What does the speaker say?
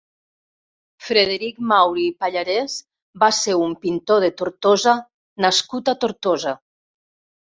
Frederic Mauri i Pallarès va ser un pintor de Tortosa nascut a Tortosa.